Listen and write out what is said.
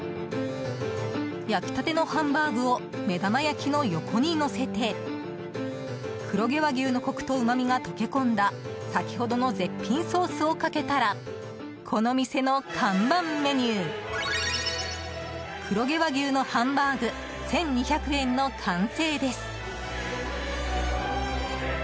焼き立てのハンバーグを目玉焼きの横にのせて黒毛和牛のコクとうまみが溶け込んだ先ほどの絶品ソースをかけたらこの店の看板メニュー黒毛和牛のハンバーグ１２００円の完成です。